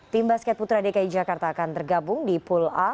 tim basket putra dki jakarta akan tergabung di pool a